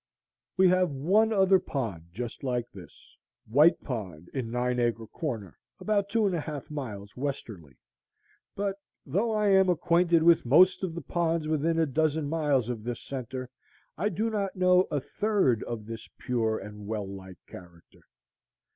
We have one other pond just like this, White Pond, in Nine Acre Corner, about two and a half miles westerly; but, though I am acquainted with most of the ponds within a dozen miles of this centre I do not know a third of this pure and well like character.